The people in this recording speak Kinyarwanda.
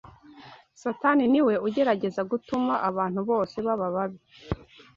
satani niweugerageza gutuma abantu bose baba babi